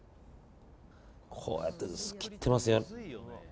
こうやって薄く切ってますよね。